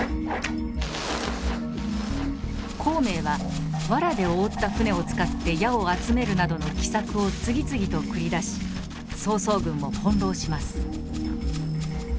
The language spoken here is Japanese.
孔明は藁で覆った船を使って矢を集めるなどの奇策を次々と繰り出し曹操軍を翻弄します。